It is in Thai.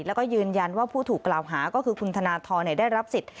แล้วก็ยืนยันว่าผู้ถูกกล่าวหาก็คือคุณธนทรได้รับสิทธิ